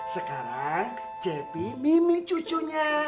sekarang cepi mimi cucunya